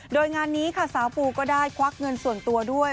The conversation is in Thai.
โดยงานนี้ค่ะสาวปูก็ได้ควักเงินส่วนตัวด้วย